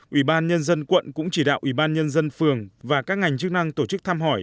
ủy ban nhân dân quận cũng chỉ đạo ủy ban nhân dân phường và các ngành chức năng tổ chức thăm hỏi